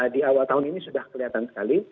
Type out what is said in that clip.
di awal tahun ini sudah kelihatan sekali